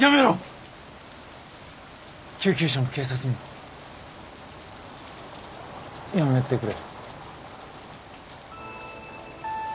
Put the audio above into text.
救急車も警察もやめてくれ。